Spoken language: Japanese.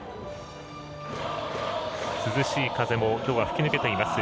涼しい風もきょうは吹き抜けています